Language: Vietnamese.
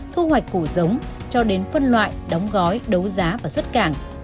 thu hoạch củ giống cho đến phân loại đóng gói đấu giá và xuất cảng